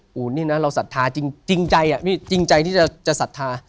ปู่นี่นะเราศรัทธาจริงใจที่จะศรัทธา